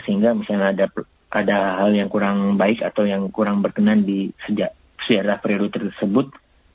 sehingga misalnya ada hal yang kurang baik atau yang kurang berkenan di sejak siara periode tersebut